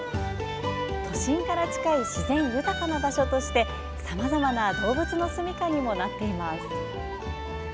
都心から近い自然豊かな場所としてさまざまな動物のすみかにもなっています。